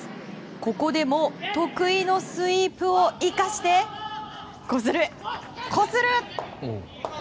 ここでも得意のスイープを生かしてこする、こする！